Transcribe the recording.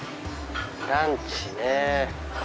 ランチね。